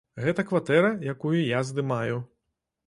Гэта кватэра, якую я здымаю.